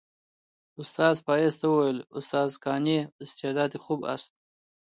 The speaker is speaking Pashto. استاد فایز ته وویل عصمت قانع استعداد خوب است.